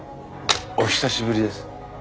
お久しぶりです。